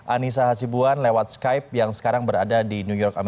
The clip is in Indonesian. anissa hasibuan lewat skype yang sekarang berada di new york